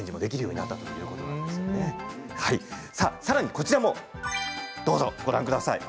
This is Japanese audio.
さらに、こちらもどうぞご覧ください。